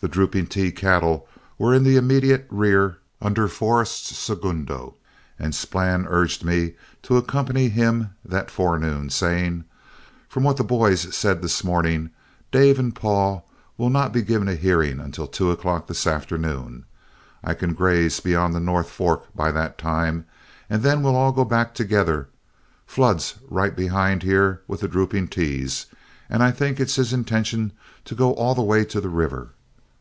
The "Drooping T" cattle were in the immediate rear under Forrest's segundo, and Splann urged me to accompany him that forenoon, saying: "From what the boys said this morning, Dave and Paul will not be given a hearing until two o'clock this afternoon. I can graze beyond the North Fork by that time, and then we'll all go back together. Flood's right behind here with the 'Drooping T's,' and I think it's his intention to go all the way to the river.